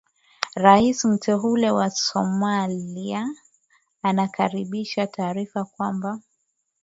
Rais mteule wa Somalia anakaribisha taarifa kwamba